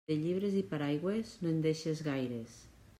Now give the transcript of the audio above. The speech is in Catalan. De llibres i paraigües, no en deixes gaires.